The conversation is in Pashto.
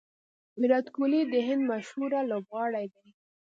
ویرات کهولي د هند مشهوره لوبغاړی دئ.